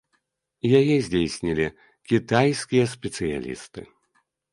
Яе здзейснілі кітайскія спецыялісты.